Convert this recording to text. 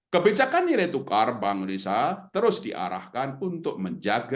kebijakan nilai tukar bank indonesia terus diarahkan untuk menjaga